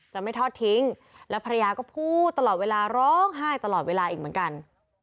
จะไม่ทอดทิ้งแล้วภรรยาก็พูดตลอดเวลาร้องไห้ตลอดเวลาอีกเหมือนกัน